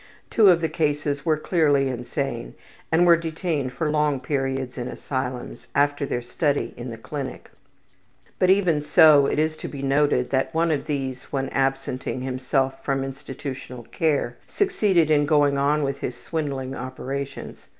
Two of the cases were clearly insane and were detained for long periods in asylums after their study in the clinic. But even so, it is to be noted that one of these when absenting himself from institutional care succeeded in going on with his swindling operations.